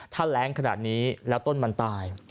ถ้าแรงขนาดนี้แล้วต้นมันตาย